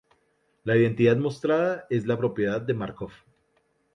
La identidad mostrada es la propiedad de Márkov.